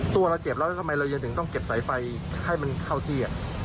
ตัวเราเจ็บแล้วทำไมเรายังถึงต้องเก็บสายไฟให้มันเข้าที่